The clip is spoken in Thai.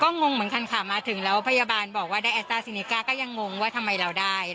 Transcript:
งงเหมือนกันค่ะมาถึงแล้วพยาบาลบอกว่าได้แอสต้าซีนิก้าก็ยังงงว่าทำไมเราได้